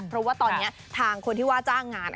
เพราะว่าตอนนี้ทางคนที่ว่าจ้างงาน